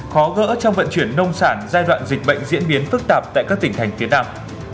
khó gỡ trong vận chuyển nông sản giai đoạn dịch bệnh diễn biến phức tạp tại các tỉnh thành phía nam